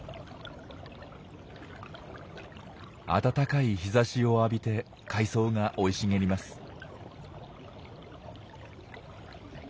暖かい日ざしを浴びて海藻が生い茂ります。